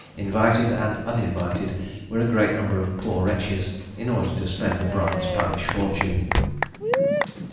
Invited and uninvited were a great number of poor wretches, in order to spend the bride's parish fortune."